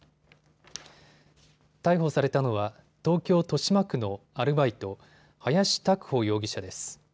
逮捕されたのは東京豊島区のアルバイト、林沢凡容疑者です。